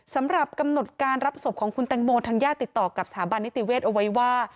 สำหรับกำหนดการรับศพของคุณแตงโมทางญาติติดต่อกับสถาบันนิติเวศเอาไว้ว่า